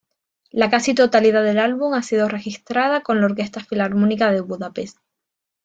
La casi totalidad del álbum ha sido registrada con la Orquesta Filarmónica de Budapest.